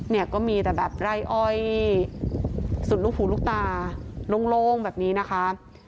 เนี่ยก็มีแต่แบบไร่อ้อยสุดลูกหูลูกตาโล่งแบบนี้นะคะ